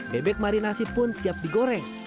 bebek marinasi pun siap digoreng